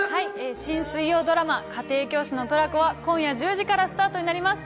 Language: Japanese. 新水曜ドラマ『家庭教師のトラコ』は今夜１０時からスタートになります。